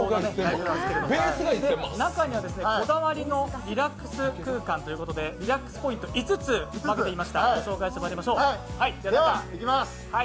中には、こだわりのリラックス空間ということでリラックスポイント５つありますので、紹介していきましょう。